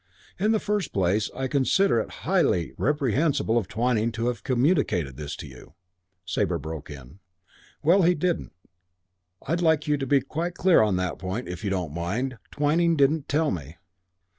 In the first place, I consider it highly reprehensible of Twyning to have communicated this to you " Sabre broke in. "Well, he didn't. I'd like you to be quite clear on that point, if you don't mind. Twyning didn't tell me.